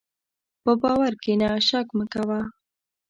په باور کښېنه، شک مه کوه.